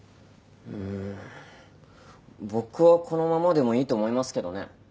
うーん僕はこのままでもいいと思いますけどね。